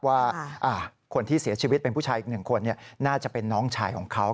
ว่าคนที่เสียชีวิตเป็นผู้ชายอีกหนึ่งคนน่าจะเป็นน้องชายของเขา